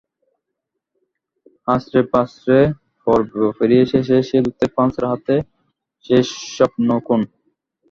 হাঁচড়ে পাঁচড়ে গ্রুপ পর্ব পেরিয়ে শেষ ষোলোতে ফ্রান্সের হাতে সে স্বপ্ন খুন।